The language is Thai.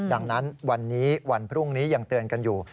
ดังนั้นวันนี้วันพรุ่งนี้ยังเตือนกันอยู่